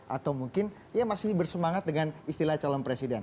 atau mungkin ia masih bersemangat dengan istilah calon presiden